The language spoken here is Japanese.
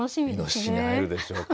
イノシシに会えるでしょうか。